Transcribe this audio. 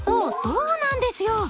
そうなんですよ。